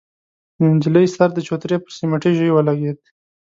د نجلۍ سر د چوترې پر سميټي ژۍ ولګېد.